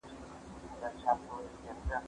زه اوس سبزیجات وخورم